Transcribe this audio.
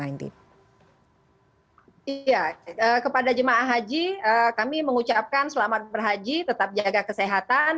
iya kepada jemaah haji kami mengucapkan selamat berhaji tetap jaga kesehatan